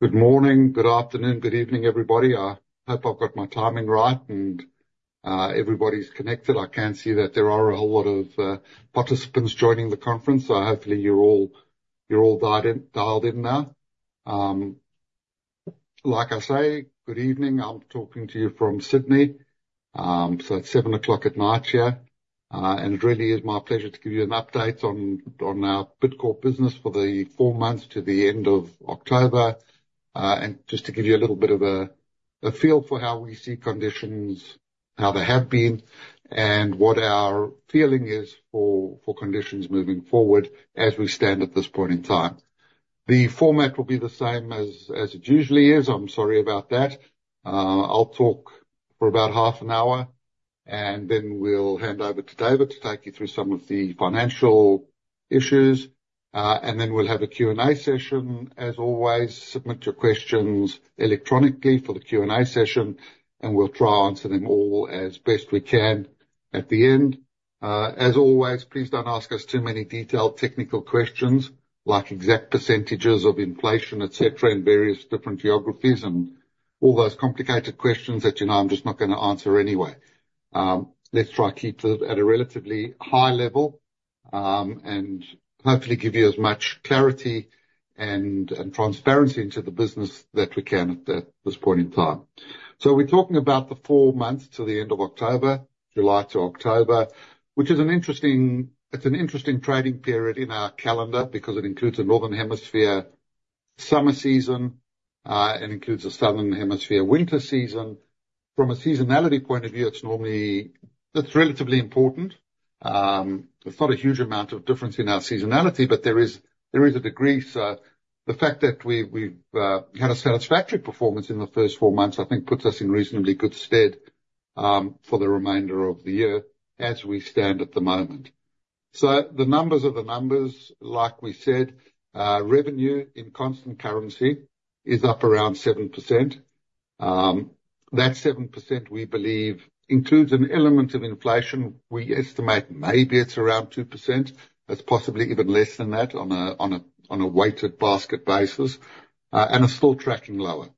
Good morning, good afternoon, good evening, everybody. I hope I've got my timing right and everybody's connected. I can see that there are a whole lot of participants joining the conference, so hopefully you're all, you're all dialed in now. Like I say, good evening, I'm talking to you from Sydney. So it's 7:00 P.M. here and it really is my pleasure to give you an update on our Bidcorp business for the four months to the end of October. And just to give you a little bit of a feel for how we see conditions, how they have been and what our feeling is for conditions moving forward. As we stand at this point in time, the format will be the same as it usually is. I'm sorry about that. I'll talk for about half an hour and then we'll hand over to David to take you through some of the financial issues and then we'll have a Q and A session. As always, submit your questions electronically for the Q and A session and we'll try answer them all as best we can. At the end. As always, please don't ask us too many detailed technical questions like exact percentages of inflation etc, in various different geographies and all those complicated questions that, you know, I'm just not going to answer. Anyway, let's try keep at a relatively high level and hopefully give you as much clarity and transparency into the business that we can at this point in time. So we're talking about the four months to the end of October, July to October, which is an interesting trading period in our calendar because it includes the Northern Hemisphere summer season. It includes the Southern Hemisphere winter season. From a seasonality point of view, it's normally, it's relatively important. It's not a huge amount of difference in our seasonality, but there is, there is a degree. So the fact that we've had a satisfactory performance in the first four months, I think, puts us in reasonably good stead for the remainder of the year as we stand at the moment. So the numbers are the numbers, like we said. Revenue in constant currency is up around 7%. That 7% we believe includes an element of inflation. We estimate maybe it's around 2%. It's possibly even less than that on a weighted basket basis, and are still tracking lower.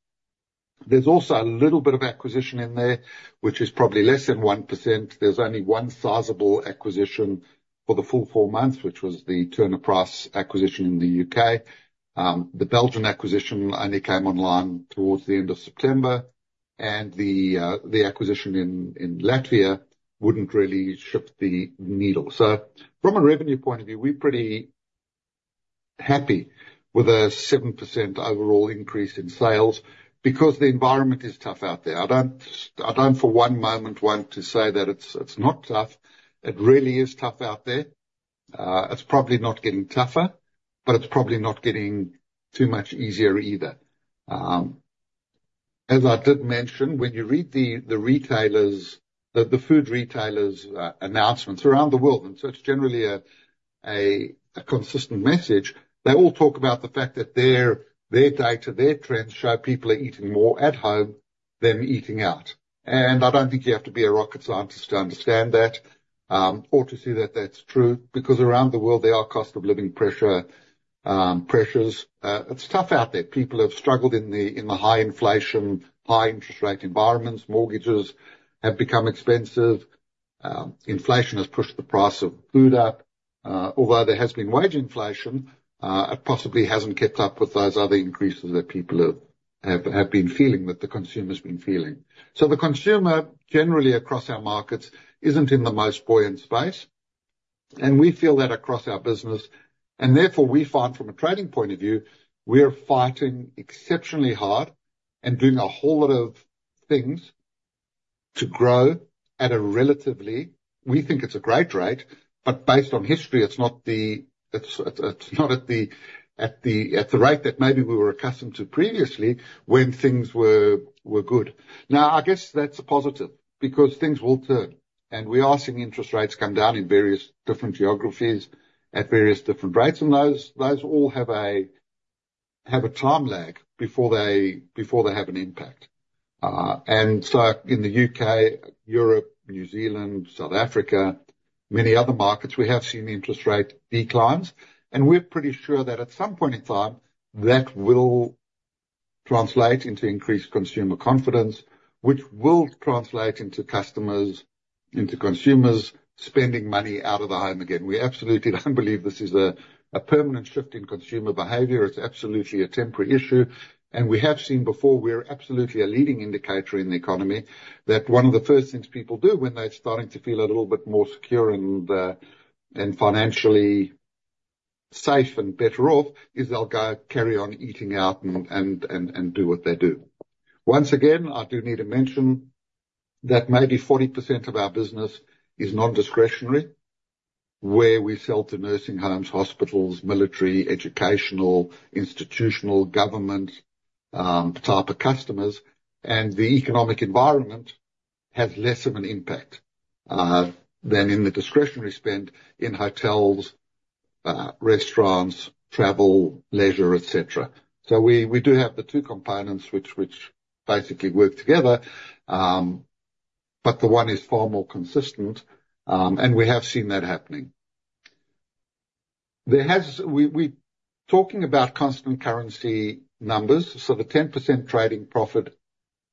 There's also a little bit of acquisition in there, which is probably less than 1%. There's only one sizable acquisition for the full four months, which was the Turner Price acquisition in the U.K. The Belgian acquisition only came online towards the end of September and the acquisition in Latvia wouldn't really shift the needle. So from a revenue point of view, we're pretty happy with a 7% overall increase in sales because the environment is tough out there. I don't for one moment want to say that it's not tough. It really is tough out there. It's probably not getting tougher, but it's probably not getting too much easier either. As I did mention when you read the retailers, the food retailers' announcements around the world, and so it's generally a consistent message. They all talk about the fact that their data, their trends show people are eating more at home than eating out, and I don't think you have to be a rocket scientist to understand that or to see that that's true because around the world there are cost of living pressures. It's tough out there. People have struggled in the high inflation, high interest rate environments. Mortgages have become expensive. Inflation has pushed the price of food up. Although there has been wage inflation, it possibly hasn't kept up with those other increases that people have been feeling that the consumer's been feeling, so the consumer generally across our markets isn't in the most buoyant space. And we feel that across our business and therefore we find from a trading point of view we are fighting exceptionally hard and doing a whole lot of things to grow at a relatively, we think it's a great rate, but based on history, it's not at the rate that maybe we were accustomed to previously when things were good. Now I guess that's a positive because things will turn and we are seeing interest rates come down in various different geographies at various different rates. And those all have a time lag before they have an impact. And so in the UK, Europe, New Zealand, South Africa, many other markets, we have seen interest rate declines. And we're pretty sure that at some point in time that will translate into increased consumer confidence, which will translate into customers, into consumers spending money out of the home. Again, we absolutely don't believe this is a permanent shift in consumer behavior. It's absolutely a temporary issue. And we have seen before. We're absolutely a leading indicator in the economy that one of the first things people do when they're starting to feel a little bit more secure and financially safe and better off is they'll go carry on eating out and do what they do. Once again, I do need to mention that maybe 40% of our business is non discretionary where we sell to nursing homes, hospitals, military, educational, institutional, government type of customers and the economic environment has less of an impact than in the discretionary spend in hotels, restaurants, travel, leisure, etc. So we do have the two components which basically work together but the one is far more consistent and we have seen that happening there. As we're talking about constant currency numbers. So the 10% trading profit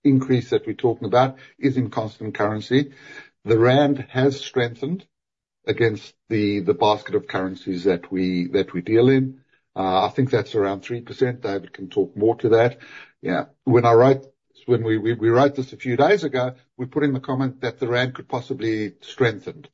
increase that we're talking about is in constant currency. The Rand has strengthened against the basket of currencies that we deal in. I think that's around 3%. David can talk more to that. Yeah, when we wrote this a few days ago we put in the comment that the Rand could possibly strengthened.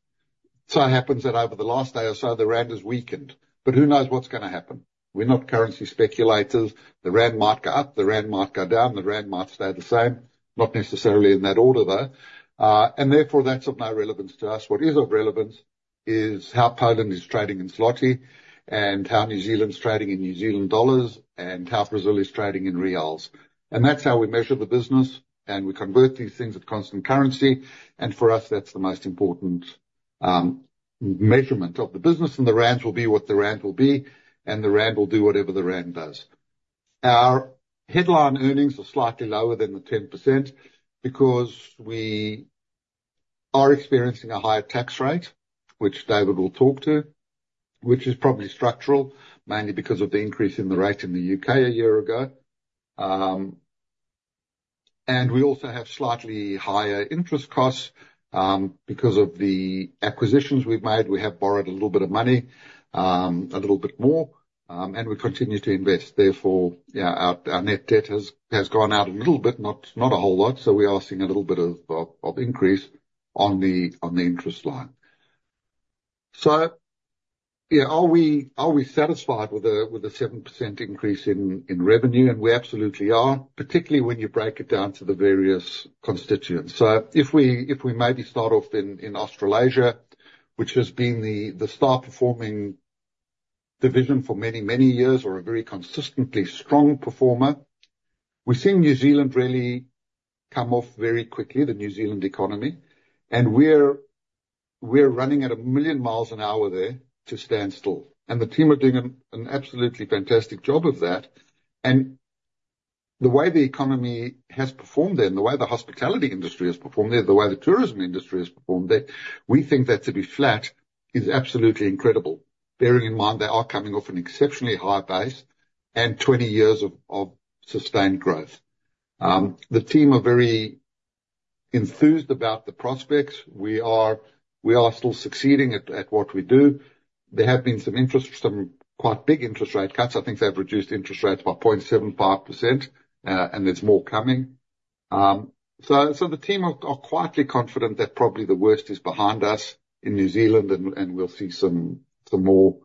So it happens that over the last day or so the Rand has weakened but who knows what's going to happen. We're not currency speculators. The Rand might go up, the Rand might go down, the Rand might stay the same. Not necessarily in that order though and therefore that's of no relevance to us. What is of relevance is how Poland is trading in zlotty and how New Zealand's trading in New Zealand dollars and how Brazil is trading in reals and that's how we measure the business and we convert these things at constant currency and for us that's the most important measurement of the business, and the Rand will be what the Rand will be and the Rand will do whatever the Rand does. Our headline earnings are slightly lower than the 10% because we are experiencing a higher tax rate which David will talk to which is probably structural mainly because of the increase in the rate in the U.K. a year ago and we also have slightly higher interest costs because of the acquisitions we've made. We have borrowed a little bit of money, a little bit more and we continue to invest. Therefore our net debt has gone out a little bit not a whole lot. So we are seeing a little bit of increase on the interest line. So yeah, are we satisfied with the 7% increase in revenue? And we absolutely are, particularly when you break it down to the various constituents. So if we maybe start off in Australasia, which has been the star performing division for many, many years or a very consistently strong performer. We're seeing New Zealand really come off very quickly. The New Zealand economy, and we're running at a million miles an hour there to stand still, and the team are doing an absolutely fantastic job of that, and the way the economy has performed there, and the way the hospitality industry has performed there, the way the tourism industry has performed there. We think that to be flat is absolutely incredible. Bearing in mind they are coming off an exceptionally high base and 20 years of sustained growth. The team are very enthused about the prospects. We are, we are still succeeding at what we do. There have been some interest, some quite big interest rate cuts. I think they've reduced interest rates by 0.75% and there's more coming, so the team are quietly confident that probably the worst is behind us in New Zealand and, and we'll see some, some more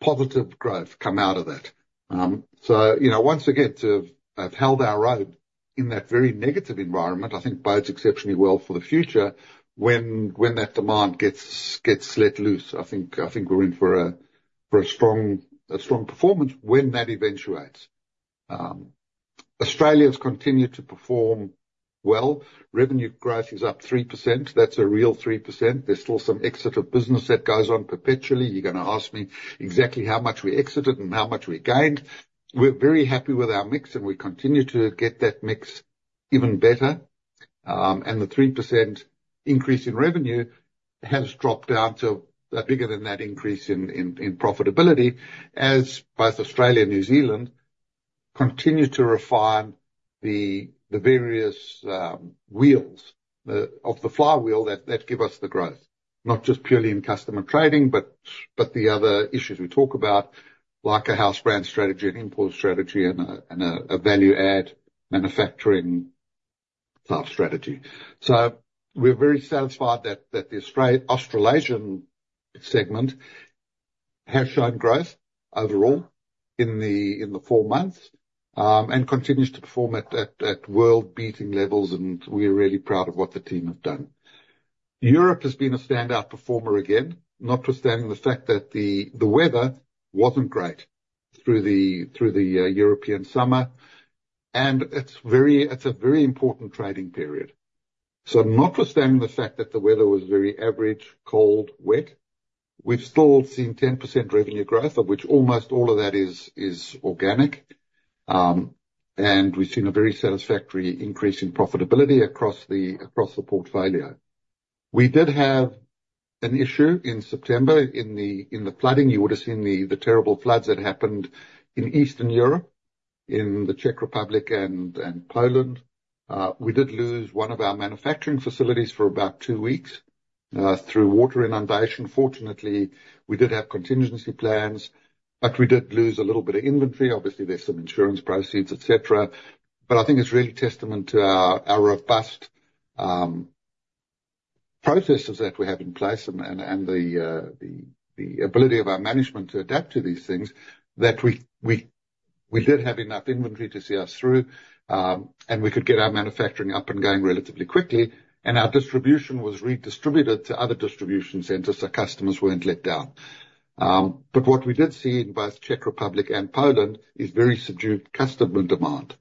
positive growth come out of that. You know, once again to have held our road in that very negative environment I think bodes exceptionally well for the future when that demand gets let loose. I think we're in for a strong performance when that eventuates. Australia's continued to perform well. Revenue growth is up 3%. That's a real 3%. There's still some exit of business that goes on perpetually. You're going to ask me exactly how much we exited and how much we gained. We're very happy with our mix and we continue to get that mix even better. The 3% increase in revenue has dropped down to bigger than that increase in profitability as both Australia, New Zealand continue to refine the various wheels of the flywheel that give us the growth not just purely in customer trading but the other issues we talk about like a house brand strategy, an import strategy and a value add manufacturing type strategy. We're very satisfied that the Australasian segment has shown growth overall in the four months and continues to perform at world beating levels and we're really proud of what the team have done. Europe has been a standout performer again notwithstanding the fact that the weather wasn't great through the European summer and it's a very important trading period. So notwithstanding the fact that the weather was very average, cold, wet, we've still seen 10% revenue growth of which almost all of that is organic. And we've seen a very satisfactory increase in profitability across the portfolio. We did have an issue in September in the flooding. You would have seen the terrible floods that happened in Eastern Europe. In the Czech Republic and Poland we did lose one of our manufacturing facilities for about two weeks through water inundation. Fortunately we did have contingency plans but we did lose a little bit of inventory. Obviously there's some insurance proceeds, etc. But I think it's really testament to our robust processes that we have in place and the ability of our management to adapt to these things that we did have enough inventory to see us through and we could get our manufacturing up and going relatively quickly. Our distribution was redistributed to other distribution centers so customers weren't let down. What we did see in both Czech Republic and Poland is very subdued customer demand.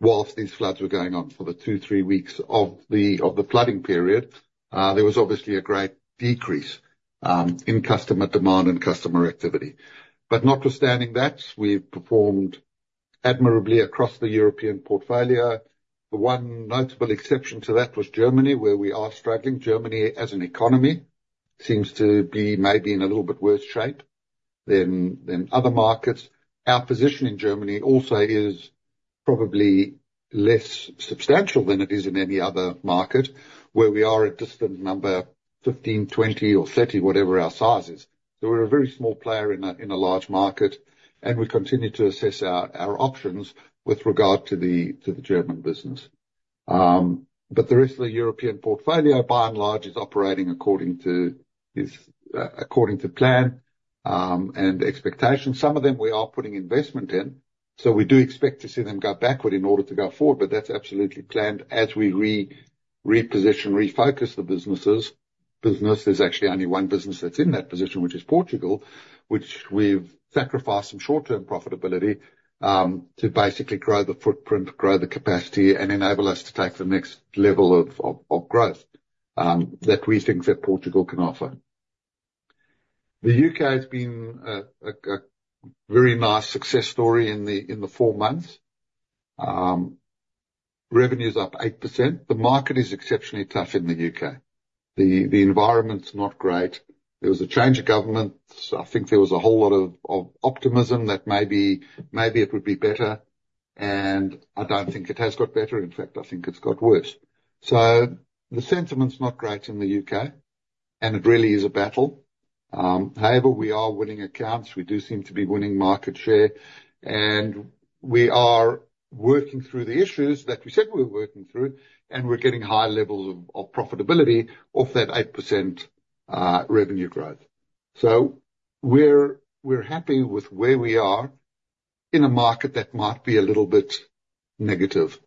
Whilst these floods were going on for the two, three weeks of the flooding period, there was obviously a great decrease in customer demand and customer activity. Notwithstanding that, we performed admirably across the European portfolio. The one notable exception to that was Germany where we are struggling. Germany as an economy seems to be maybe in a little bit worse shape than other markets. Our position in Germany also is probably less substantial than it is in any other market where we are a distant number, 15, 20 or 30, whatever our size is. We're a very small player in a large market and we continue to assess our options with regard to the German business. But the rest of the European portfolio by and large is operating according to plan and expectations. Some of them we are putting investment in. So we do expect to see them go backward in order to go forward. But that's absolutely planned as we reposition, refocus the businesses. There's actually only one business that's in that position which is Portugal, which we've sacrifice some short term profitability to basically grow the footprint, grow the capacity and enable us to take the next level of growth that we think that Portugal can offer. The UK has been a very nice success story in the four months. Revenue is up 8%. The market is exceptionally tough in the UK. The environment's not great. There was a change of government. I think there was a whole lot of optimism that maybe, maybe it would be better, and I don't think it has got better. In fact, I think it's got worse, so the sentiment's not great in the U.K. and it really is a battle. However, we are winning accounts, we do seem to be winning market share and we are working through the issues that we said we were working through and we're getting high levels of profitability off that 8% revenue growth, so we're, we're happy with where we are in a market that might be a little bit negative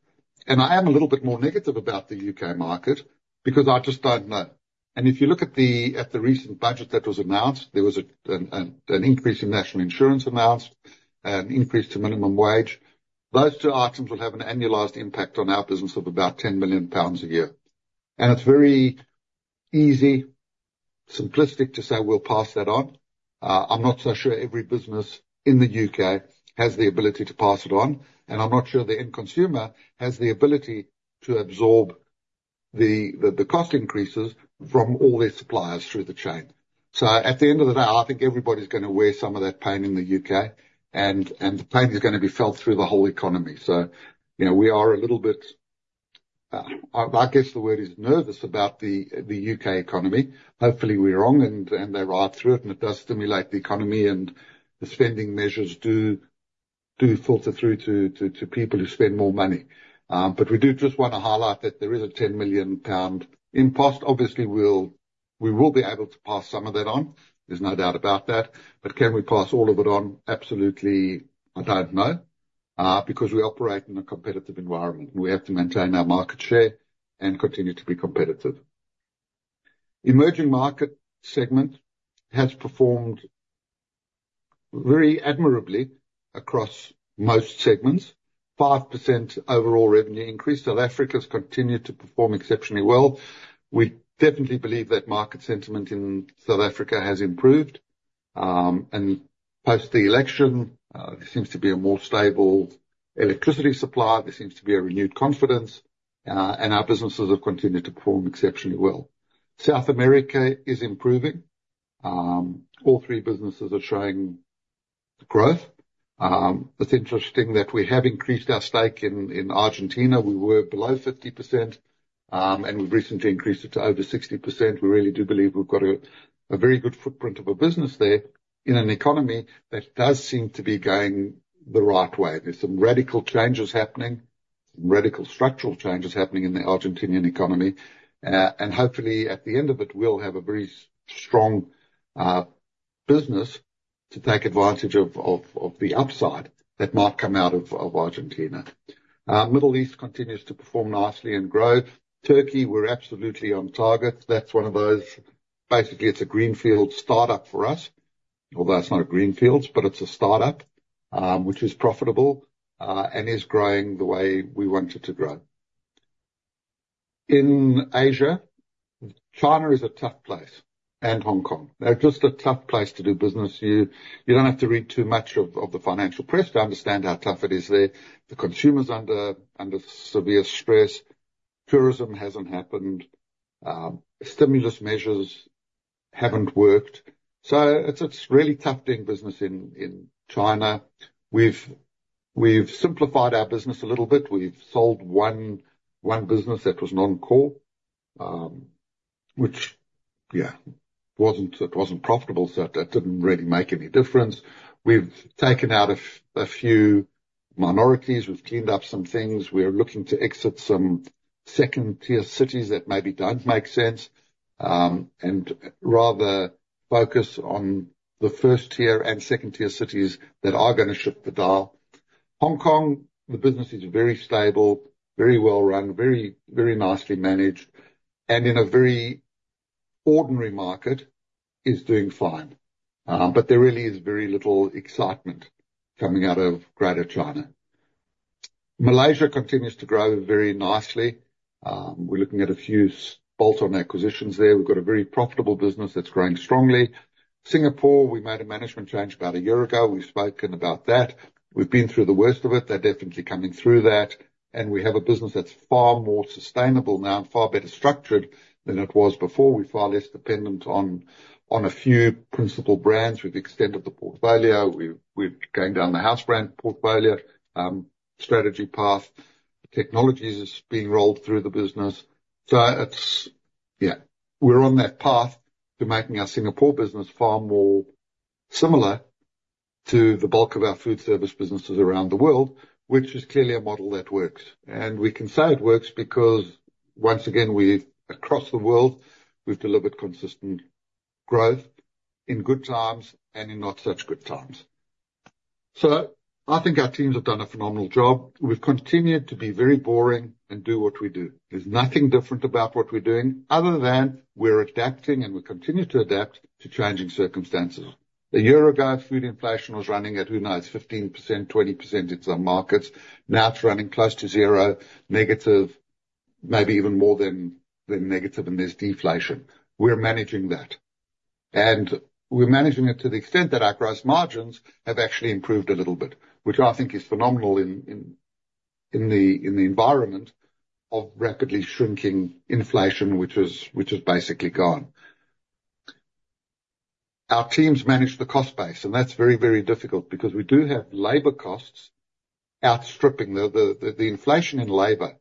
and I am a little bit more negative about the U.K. market because I just don't know. If you look at the recent budget that was announced, there was an increase in National Insurance announced and an increase to minimum wage. Those two items will have an annualized impact on our business of about 10 million pounds a year. It's very simplistic to say we'll pass that on. I'm not so sure every business in the U.K. has the ability to pass it on, and I'm not sure the end consumer has the ability to absorb the cost increases from all their suppliers through the chain. So at the end of the day, I think everybody's going to wear some of that pain in the U.K., and the pain is going to be felt through the whole economy. You know, we are a little bit. I guess the word is nervous about the U.K. economy. Hopefully we're wrong and they ride through it and it does stimulate the economy and the spending measures do filter through to people who spend more money. But we do just want to highlight that there is a 10 million pound impost. Obviously we'll be able to pass some of that on, there's no doubt about that. But can we pass all of it on? Absolutely. I don't know. Because we operate in a competitive environment and we have to maintain our market share and continue to be competitive. Emerging market segment has performed very admirably across most segments. 5% overall revenue increase. South Africa's continued to perform exceptionally well. We definitely believe that market sentiment in South Africa has improved and post the election there seems to be a more stable electricity supply. There seems to be a renewed confidence and our businesses have continued to perform exceptionally well. South America is improving. All three businesses are showing growth. It's interesting that we have increased our stake in Argentina. We were below 50% and we've recently increased it to over 60%. We really do believe we've got a very good footprint of a business there. In an economy that does seem to be going the right way. There's some radical changes happening, radical structural changes happening in the Argentinian economy and hopefully at the end of it we'll have a very strong business to take advantage of the upside that might come out of Argentina. Middle East continues to perform nicely and grow. Turkey. We're absolutely on target. That's one of those. Basically it's a greenfield startup for us, although it's not a greenfield but it's a startup which is profitable and is growing the way we want it to grow in Asia. China is a tough place and Hong Kong. They're just a tough place to do business. You don't have to read too much of the financial press to understand how tough it is there. But consumers under severe stress. Tourism hasn't happened, stimulus measures haven't worked. So it's really tough doing business in China. We've simplified our business a little bit. We've sold one business that was non-core which yeah wasn't profitable. So that didn't really make any difference. We've taken out a few minorities. We've cleaned up some things. We are looking to exit some second tier cities that maybe don't make sense and rather focus on the first tier and second tier cities that are going to shift the dial. Hong Kong, the business is very stable, very well run, very, very nicely managed and in a very ordinary market is doing fine. But there really is very little excitement coming out of Greater China. Malaysia continues to grow very nicely. We're looking at a few bolt-on acquisitions there. We've got a very profitable business that's growing strongly. Singapore, we made a management change about a year ago. We've spoken about that. We've been through the worst of it. They're definitely coming through that. And we have a business that's far more sustainable now and far better structured than it was before. We're far less dependent on a few principal brands. We've extended the portfolio. We're going down the house brand portfolio strategy path. Technology is being rolled through the business. So it's, yeah, we're on that path to making our Singapore business far more similar to the bulk of our food service businesses around the world, which is clearly a model that works. And we can say it works because once again we, across the world we've delivered consistent growth in good times and in not such good times. So I think our teams have done a phenomenal job. We've continued to be very boring and do what we do. There's nothing different about what we're doing other than we're adapting and we continue to adapt to changing circumstances. A year ago food inflation was running at who knows, 15%, 20% in some markets. Now it's running close to zero, negative, maybe even more than negative and there's deflation. We're managing that and we're managing it to the extent that our gross margins have actually improved a little bit, which I think is phenomenal in the environment of rapidly shrinking inflation, which is basically gone. Our teams manage the cost base and that's very, very difficult because we do have labor costs outstripping. The inflation in labor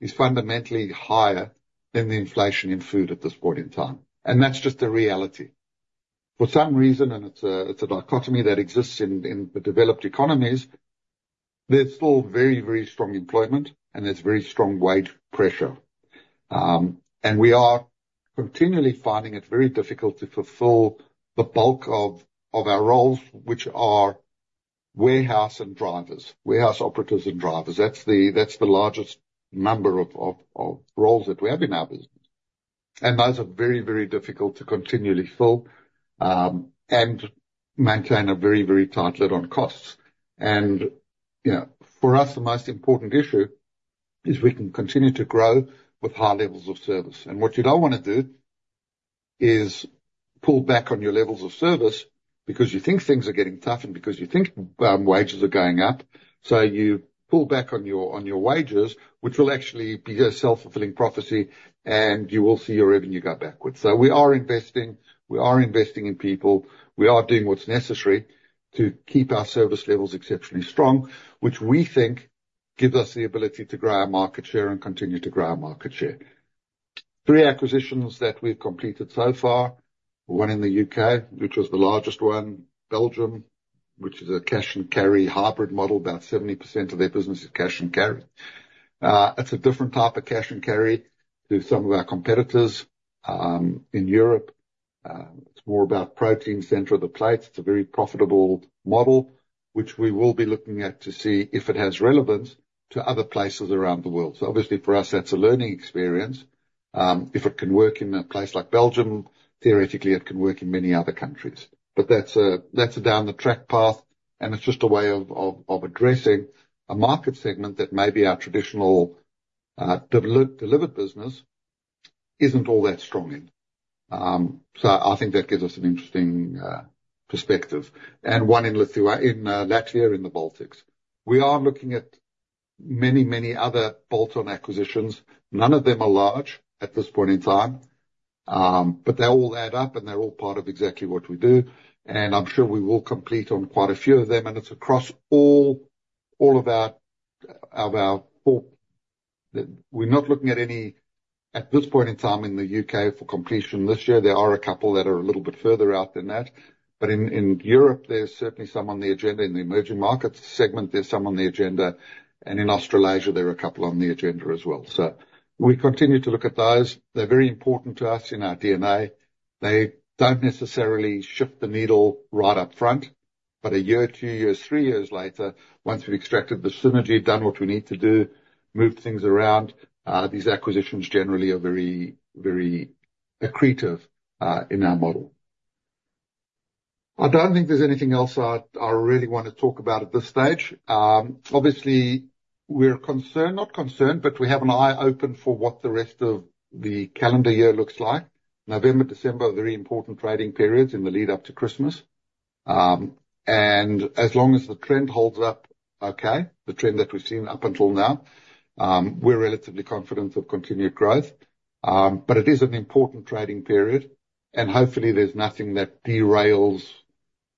is fundamentally higher than the inflation in food at this point in time. And that's just the reality for some reason. And it's a dichotomy that exists in the developed economies. There's still very, very strong employment and there's very strong wage pressure and we are continually finding it very difficult to fulfill the bulk of, of our roles, which are warehouse and drivers, warehouse operators and drivers. That's the, that's the largest number of roles that we have in our business and those are very, very difficult to continually fill and maintain a very, very tight lid on costs. And you know, for us the most important issue is we can continue to grow with high levels of service. And what you don't want to do is pulled back on your levels of service because you think things are getting tough and because you think wages are going up. So you pull back on your, on your wages which will actually be a self fulfilling prophecy and you will see your revenue go backwards. So we are investing, we are investing in people. We are doing what's necessary to keep our service levels exceptionally strong, which we think gives us the ability to grow our market share and continue to grow our market share. Three acquisitions that we've completed so far. One in the UK, which was the largest one. Belgium, which is a cash and carry hybrid model. About 70% of their business is cash and carry. It's a different type of cash and carry to some of our competitors. In Europe it's more about protein center of the plate. It's a very profitable model which we will be looking at to see if it has relevance to other places around the world, so obviously for us that's a learning experience. If it can work in a place like Belgium, theoretically it can work in many other countries, but that's a down the track path and it's just a way of addressing a market segment that maybe our traditional delivered business isn't all that strong in. I think that gives us an interesting perspective. One in Lithuania, in Latvia, in the Baltics, we are looking at many, many other bolt-on acquisitions. None of them are large at this point in time, but they all add up and they're all part of exactly what we do. I'm sure we will complete on quite a few of them. It's across all of our. We're not looking at any at this point in time. In the UK for completion this year, there are a couple that are a little bit further out than that. In Europe there's certainly some on the agenda. In the emerging markets segment there's some on the agenda and in Australasia there are a couple on the agenda as well. We continue to look at those. They're very important to us in our DNA. They don't necessarily shift the needle right up front. But a year, two years, three years later, once we've extracted the synergy, done what we need to do, moved things around, these acquisitions generally are very, very accretive in our model. I don't think there's anything else I really want to talk about at this stage. Obviously we're concerned, not concerned, but we have an eye open for what the rest of the calendar year looks like. November, December, very important trading periods in the lead-up to Christmas. And as long as the trend holds up, okay, the trend that we've seen up until now, we're relatively confident of continued growth. But it is an important trading period and hopefully there's nothing that derails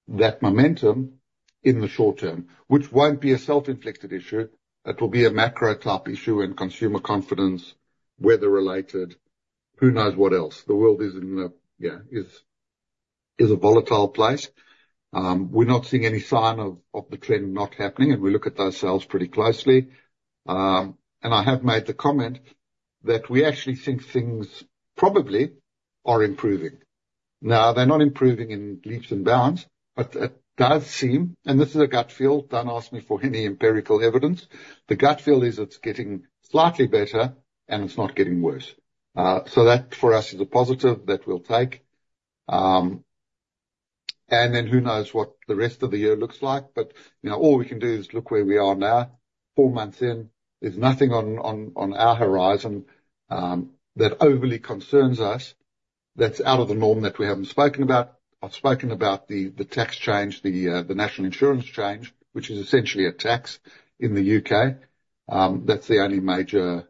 that momentum in the short term, which won't be a self-inflicted issue. It will be a macro-type issue in consumer confidence, weather-related, who knows what else the world is in. Yeah, it is a volatile place. We're not seeing any sign of the trend not happening and we look at those sales pretty closely and I have made the comment that we actually think things probably are improving now. They're not improving in leaps and bounds, but it does seem, and this is a gut feel, don't ask me for any empirical evidence. The gut feel is it's getting slightly better and it's not getting worse. So that for us is a positive that we'll take and then who knows what the rest of the year looks like. But all we can do is look where we are now. Four months in, there's nothing on our horizon that overly concerns us, that's out of the norm that we haven't spoken about. I've spoken about the tax change, the national insurance change, which is essentially a tax in the UK. That's the only major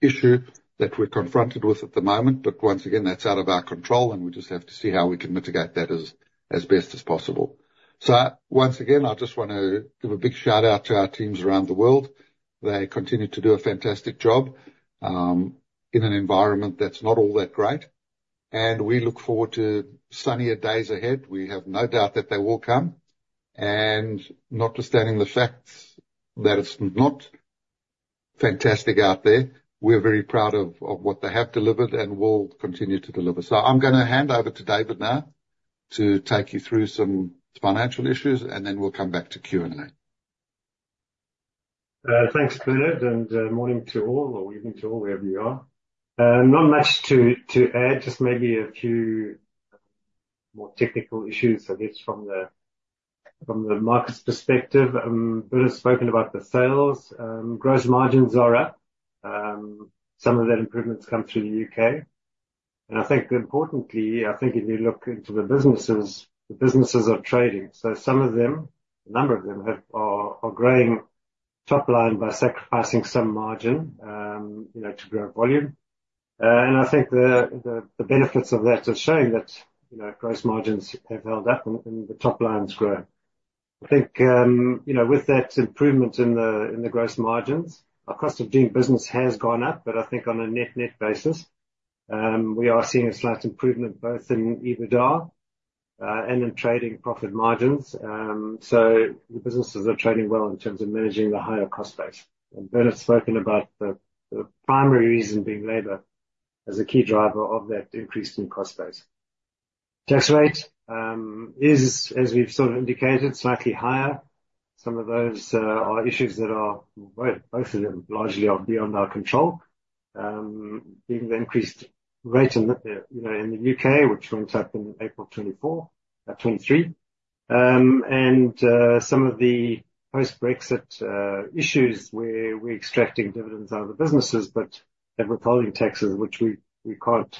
issue that we're confronted with at the moment, but once again that's out of our control and we just have to see how we can mitigate that as best as possible, so once again I just want to give a big shout out to our teams around the world. They continue to do a fantastic job in an environment that's not all that great and we look forward to sunnier days ahead. We have no doubt that they will come and notwithstanding the facts that it's not fantastic out there, we're very proud of what they have delivered and will continue to deliver. So I'm going to hand over to David now to take you through some financial issues and then we'll come back to Q and A. Thanks, Bernard, and morning to all or evening to all, wherever you are. Not much to add, just maybe a few more technical issues I guess from the market's perspective, but has spoken about the sales. Gross margins are up. Some of that improvement's come through the UK and I think importantly, I think if you look into the businesses, the businesses are trading. So some of them, a number of them are growing top line by sacrificing some margin to grow volume. And I think the benefits of that are showing that gross margins have held up and the top lines grow. I think with that improvement in the gross margins, our cost of doing business has gone up. But I think on a net net basis we are seeing a slight improvement both in EBITDA and in trading profit margins. So the businesses are trading well in terms of managing the higher cost base. Bernard spoken about the primary reason being labor as a key driver of that increased in cost base. Tax rate is as we've sort of indicated, slightly higher. Some of those are issues that are, both of them largely are beyond our control being the increased rate in the U.K. which went up in April 2023 and some of the post Brexit issues where we're extracting dividends out of the businesses but withholding taxes which we can't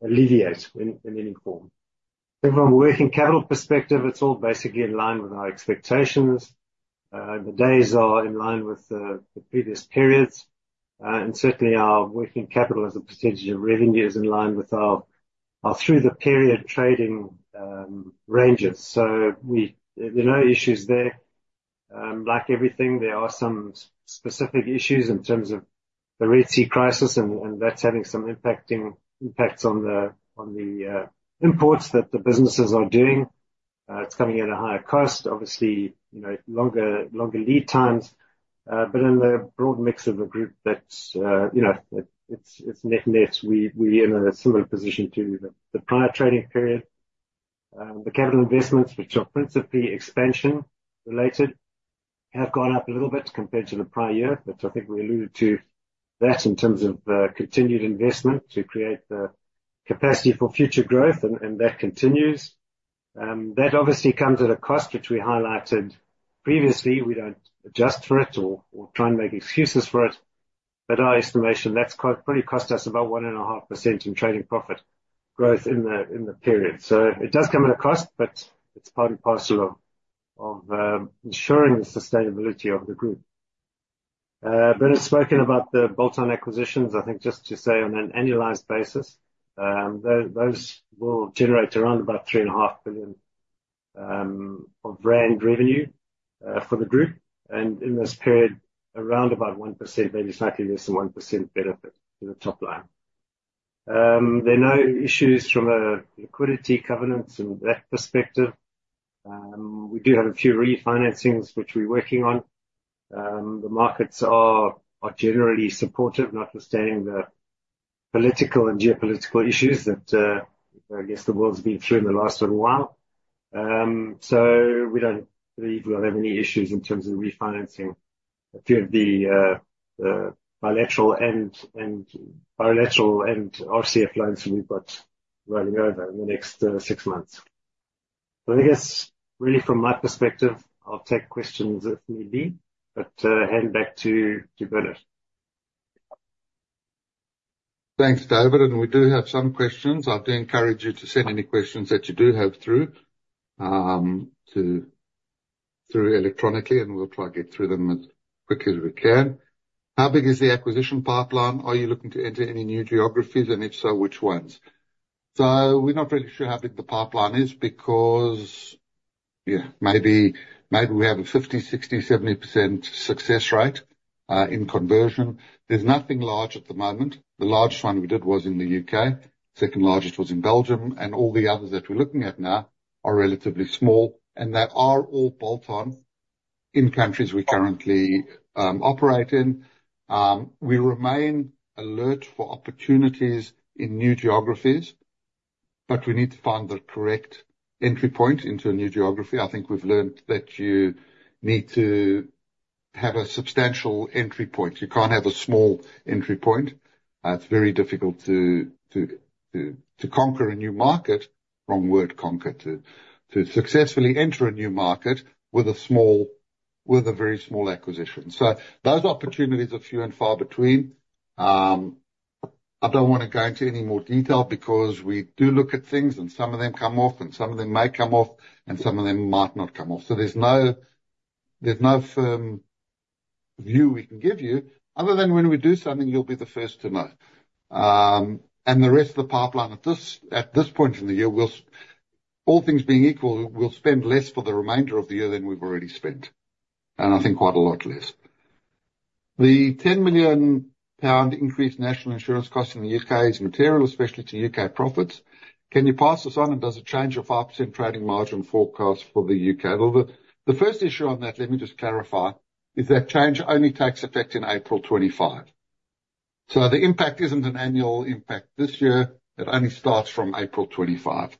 alleviate in any form. From a working capital perspective, it's all basically in line with our expectations. The days are in line with the previous periods and certainly our working capital as a percentage of revenues in line with our through the period trading ranges. So there are no issues there. Like everything, there are some specific issues in terms of the Red Sea crisis and that's having some impacting impacts on the, on the imports that the businesses are doing. It's coming at a higher cost, obviously, you know, longer, longer lead times. But in the broad mix of a group that, you know, it's, it's net, net, we, we in a similar position to the prior trading period. The capital investments which are principally expansion related, have gone up a little bit compared to the prior year. But I think we alluded to that in terms of continued investment to create the capacity for future growth and that continues that obviously comes at a cost which we highlighted previously. We don't adjust for it or try and make excuses for it, but our estimation that's probably cost us about 1.5% in trading profit growth in the period. So it does come at a cost, but it's part and parcel of ensuring the sustainability of the group. Bernard spoken about the bolt-on acquisitions. I think just to say, on an annualized basis, those will generate around about 3.5 billion rand of revenue for the group and in this period around about 1%, maybe slightly less than 1% benefit to the top line. There are no issues from a liquidity covenant in that perspective. We do have a few refinancings which we're working on. The markets are generally supportive, notwithstanding the political and geopolitical issues that I guess the world's been through in the last little while. So we don't believe we'll have any issues in terms of refinancing a few of the bilateral and RCF lines we've got running over in the next six months. So I guess, really, from my perspective, I'll take questions if need be, but hand back to Bernard. Thanks, David. And we do have some questions. I do encourage you to send any questions that you do have through to, through electronically and we'll try to get through them as quickly as we can. How big is the acquisition pipeline? Are you looking to enter any new geographies and if so, which ones? So we're not really sure how big the pipeline is because, yeah, maybe, maybe we have a 50, 60, 70% success rate in conversion. There's nothing large at the moment. The largest one we did was in the UK, second largest was in Belgium and all the others that we're looking at now are relatively small and they are all bolt-on in countries we currently operate in. We remain alert for opportunities in new geographies, but we need to find the correct entry point into a new geography. I think we've learned that you need to have a substantial entry point. You can't have a small entry point. It's very difficult to conquer a new market. Wrong word, conquer. To successfully enter a new market with a very small acquisition. So those opportunities are few and far between. I don't want to go into any more detail because we do look at things and some of them come off and some of them may come off and some of them might not come off. So there's no, there's no firm view we can give you other than when we do something, you'll be the first to know. And the rest of the pipeline, at this, at this point in the year, we'll, all things being equal, we'll spend less for the remainder of the year than we've already spent and I think quite a lot less. The 10 million pound increased National Insurance costs in the UK is material, especially to UK profits. Can you pass this on and does it change your 5% trading margin forecast for the UK? The first issue on that, let me just clarify, is that change only takes effect in April 2025. So the impact isn't an annual impact this year, it only starts from April 2025.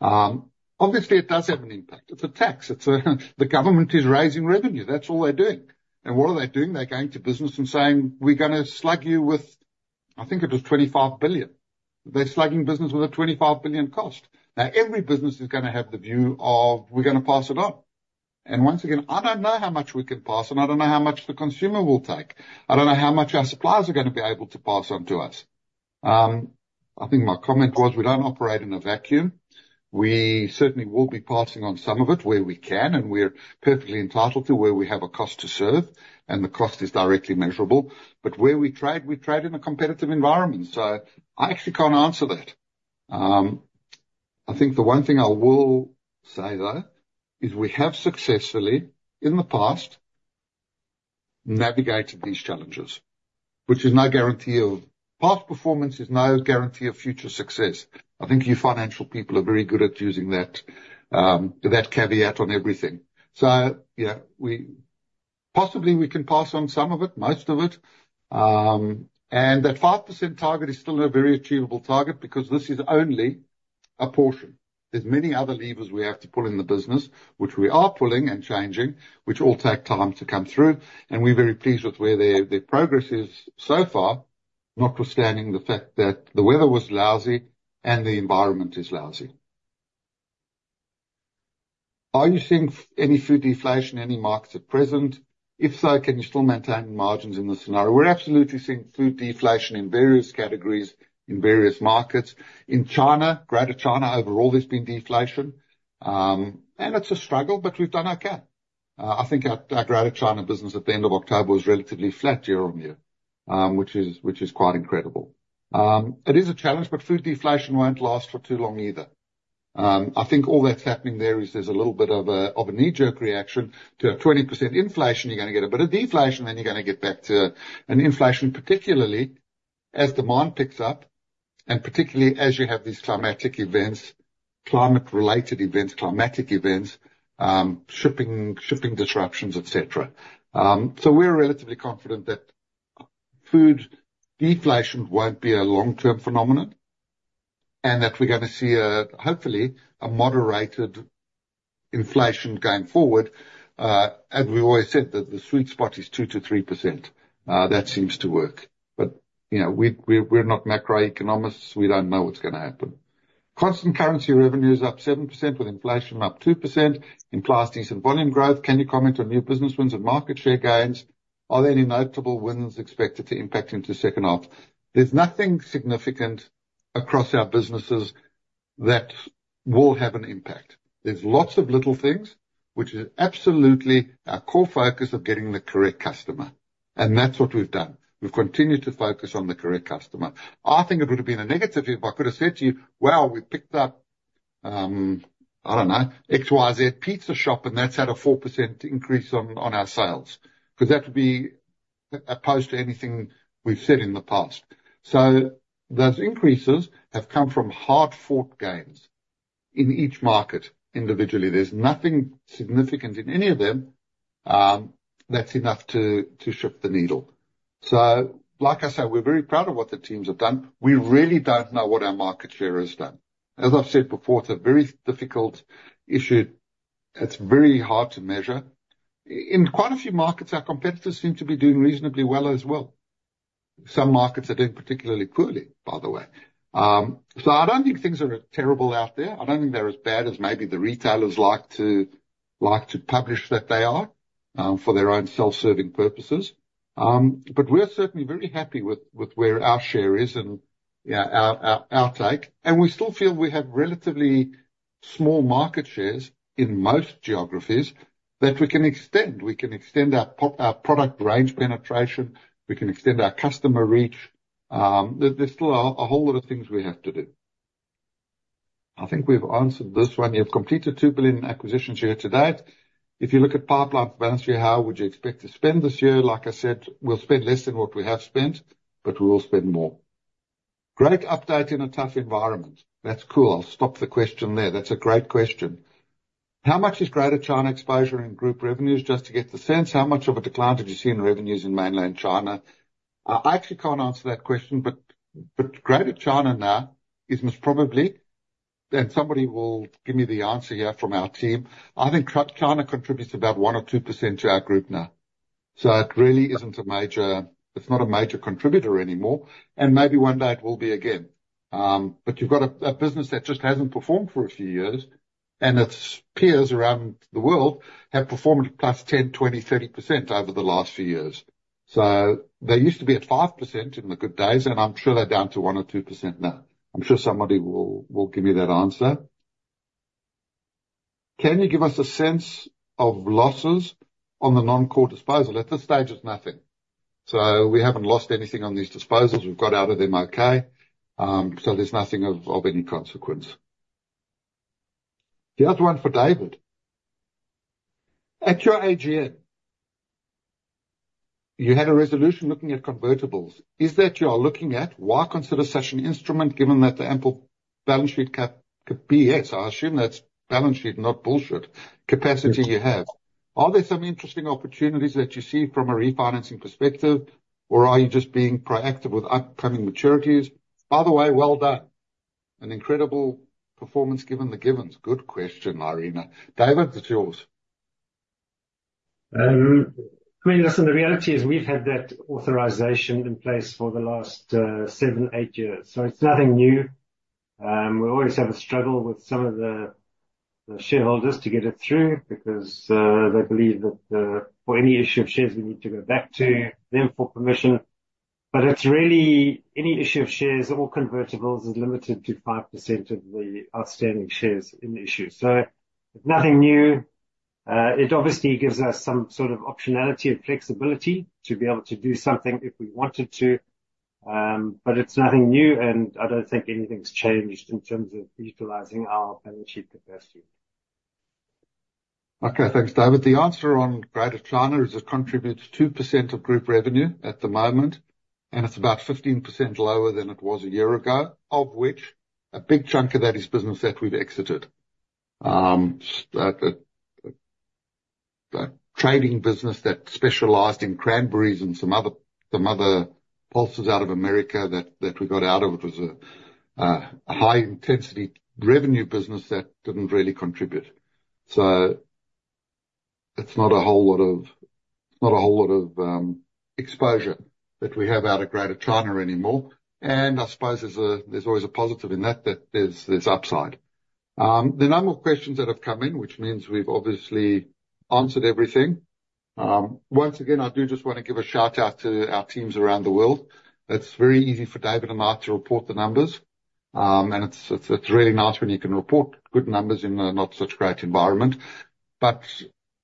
Obviously it does have an impact. It's a tax, it's a. The government is raising revenue. That's all they're doing. And what are they doing? They're going to business and saying, we're going to slug you with. I think it was 25 billion, they slugging business with a 25 billion cost. Now every business is going to have the view of we're going to pass it on. And once again, I don't know how much we can pass and I don't know how much the consumer will take. I don't know how much our suppliers are going to be able to pass on to us. I think my comment was we don't operate in a vacuum. We certainly will be passing on some of it where we can, and we're perfectly entitled to where we have a cost to serve and the cost is directly measurable. But where we trade, we trade in a competitive environment. So I actually can't answer that. I think the one thing I will say though is we have successfully in the past navigated these challenges, which is no guarantee of past performance, is no guarantee of future success. I think you financial people are very good at using that, that caveat on everything. Yeah, we possibly can pass on some of it, most of it. And that 5% target is still a very achievable target because this is only a portion. There's many other levers we have to pull in the business which we are pulling and changing, which all take time to come through. And we're very pleased with where their progress is so far. Notwithstanding the fact that the weather was lousy and the environment is lousy. Are you seeing any food deflation in any markets at present? If so, can you still maintain margins in the scenario? We're absolutely seeing food deflation in various categories in various markets in China. Greater China, overall, there's been deflation and it's a struggle, but we've done our bit. I think our Greater China business at the end of October was relatively flat year on year, which is quite incredible. It is a challenge. But food deflation won't last for too long either. I think all that's happening there is, there's a little bit of a knee-jerk reaction to a 20% inflation. You're going to get a bit of deflation, then you're going to get back to an inflation particularly as demand picks up and particularly as you have these climatic events, climate-related events, climatic events, shipping disruptions, etc. So we're relatively confident that food deflation won't be a long-term phenomenon and that we're going to see hopefully a moderated inflation going forward. As we always said that the sweet spot is 2%-3%. That seems to work. But you know, we're not macroeconomists. We don't know what's going to happen. Constant currency revenue is up 7% with inflation up 2% in LFL, decent volume growth. Can you comment on new business wins and market share gains? Are there any notable wins expected to impact into second half? There's nothing significant across our businesses that will have an impact. There's lots of little things which is absolutely our core focus of getting the correct customer. And that's what we've done. We've continued to focus on the correct customer. I think it would have been a negative if I could have said to you, well we picked up I don't know XYZ Pizza Shop and that's had a 4% increase on our sales because that would be opposed to anything we've said in the past. So those increases have come from hard fought gains in each market. Individually there's nothing significant in any of them. That's enough to shift the needle. So like I said, we're very proud of what the teams have done. We really don't know what our market share has done. As I've said before, it's a very difficult issue that's very hard to measure in quite a few markets. Our competitors seem to be doing reasonably well as well. Some markets are doing particularly poorly by the way. So I don't think things are terrible out there. I don't think they're as bad as maybe the retailers like to publish that they are for their own self serving purposes. But we're certainly very happy with where our share is and you know our take. And we still feel we have relatively small market shares in most geographies that we can extend. We can extend our product range penetration, we can extend our customer reach. There's still a whole lot of things we have to do. I think we've answered this one. You've completed 2 billion acquisitions here to date. If you look at pipeline balance sheet, how would you expect to spend this year? Like I said, we'll spend less than what we have spent, but we will spend more. Great update in a tough environment. That's cool. I'll stop the question there. That's a great question. How much is Greater China exposure in group revenues? Just to get the sense, how much of a decline did you see in revenues in mainland China? I actually can't answer that question, but Greater China now is most probably and somebody will give me the answer here from our team. I think China contributes about 1% or 2% to our group now. So it really isn't a major, it's not a major contributor anymore and maybe one day it will be again. But you've got a business that just hasn't performed for a few years, and its peers around the world have performed plus 10%, 20%, 30% over the last few years. So they used to be at 5% in the good days, and I'm sure they're down to 1% or 2% now. I'm sure somebody will give me that answer. Can you give us a sense of losses on the non-core disposal at this stage? It's nothing. So we haven't lost anything on these disposals we've got out of them. Okay, so there's nothing of any consequence. Here's one for David. At your AGM you had a resolution looking at convertibles, is that you are looking at why consider such an instrument given that the ample balance sheet capacity could be it. So I assume that's balance sheet capacity you have. Are there some interesting opportunities that you see from a refinancing perspective or are you just being proactive with upcoming maturities? By the way, well done. An incredible performance given the givens. Good question, Marina. David, it's yours. Listen, the reality is we've had that authorization in place for the last seven, eight years. So it's nothing new. We always have a struggle with some of the shareholders to get it through because they believe that for any issue of shares we need to go back to them for permission. But it's really any issue of shares or convertibles is limited to 5% of the outstanding shares in the issue. So nothing new. It obviously gives us some sort of optionality and flexibility to be able to do something if we wanted to. But it's nothing new and I don't think anything's changed in terms of utilizing our balance sheet capacity. Okay, thanks, David. The answer on Greater China is it contributes 2% of group revenue at the moment and it's about 15% lower than it was a year ago, of which a big chunk of that is business that we've exited. Trading business that specialized in cranberries and some other pulses out of America that we got out of. It was a high intensity revenue business that didn't really contribute. So it's not a whole lot of exposure that we have out of Greater China anymore. And I suppose there's always a positive in that, that there's upside. The number of questions that have come in, which means we've obviously answered everything. Once again, I do just want to give a shout out to our teams around the world. It's very easy for David and I to report the numbers and it's really nice when you can report good numbers in not such great environment, but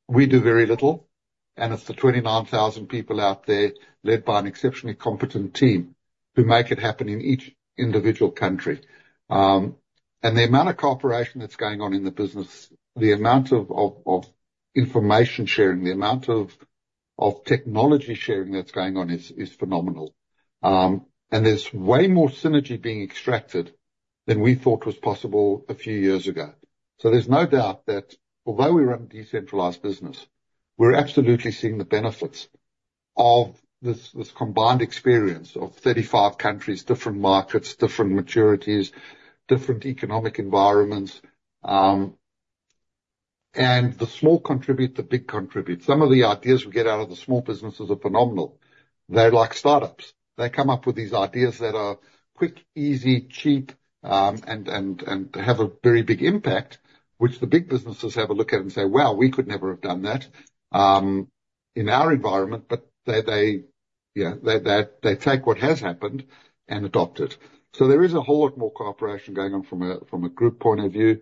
we do very little, and it's the 29,000 people out there, led by an exceptionally competent team who make it happen in each individual country. And the amount of cooperation that's going on in the business, the amount of information sharing, the amount of technology sharing that's going on is phenomenal, and there's way more synergy being extracted than we thought was possible a few years ago, so there's no doubt that although we run decentralized business, we're absolutely seeing the benefits of this combined experience of 35 countries, different markets, different maturities, different economic environments. And the small contribute, the big contribute. Some of the ideas we get out of the small businesses are phenomenal. They like startups. They come up with these ideas that are quick, easy, cheap and have a very big impact which the big businesses have a look at and say wow, we could never have done that in our environment. But they take what has happened and adopted. So there is a whole lot more cooperation going on. From a group point of view,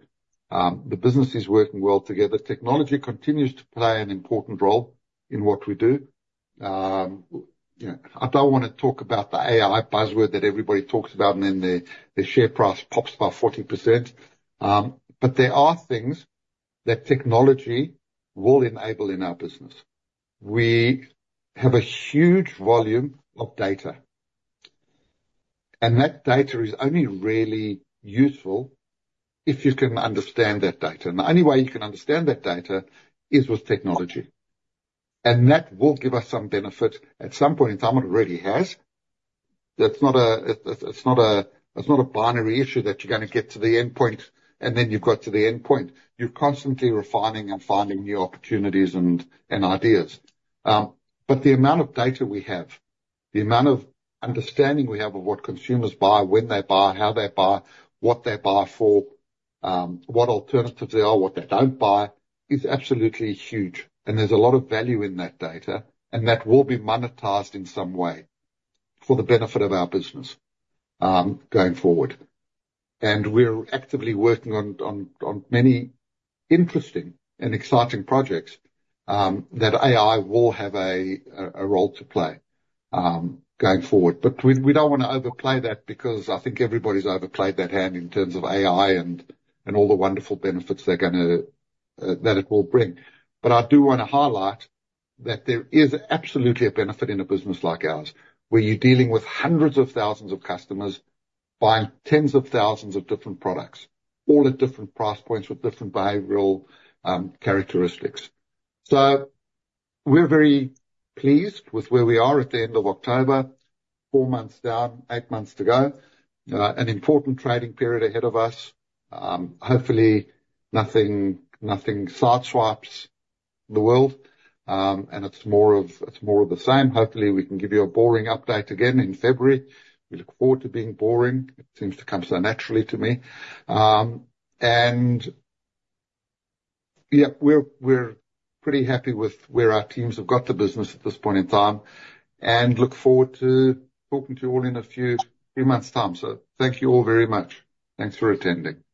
the business is working well together. Technology continues to play an important role in what we do. I don't want to talk about the AI buzzword that everybody talks about and then the share price pops by 40%. But there are things that technology will enable in our business. We have a huge volume of data and that data is only really useful if you can understand that data. And the only way you can understand that data is with technology and that will give us some benefit at some point in time. It already has. That's not a binary issue that you're going to get to the endpoint and then you've got to the endpoint. You're constantly refining and finding new opportunities and ideas. But the amount of data we have, the amount of understanding we have of what consumers buy, when they buy, how they buy, what they buy for, what alternatives they are, what they don't buy is absolutely huge. And there's a lot of value in that data. And that will be monetized in some way for the benefit of our business going forward. And we're actively working on many interesting and exciting projects that AI will have a role to play going forward. But we don't want to overplay that because I think everybody's overplayed that hand in terms of AI and all the wonderful benefits that it will bring. But I do want to highlight that there is absolutely a benefit in a business like ours where you're dealing with hundreds of thousands of customers buying tens of thousands of different products, all at different price points with different behavioral characteristics. So we're very pleased with where we are at the end of October. Four months down, eight months to go, an important trading period ahead of us. Hopefully nothing sideswipes the world. And it's more of, it's more of the same. Hopefully we can give you a boring update again in February. Look forward to being boring. It seems to come so naturally to me. And yeah, we're pretty happy with where our teams have got the business at this point in time and look forward to talking to you all in a few months' time. So thank you all very much. Thanks for attending.